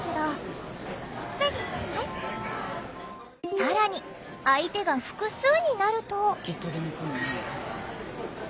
更に相手が複数になると。